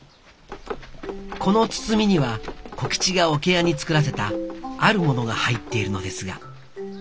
この包みには小吉が桶屋に作らせたあるものが入っているのですが。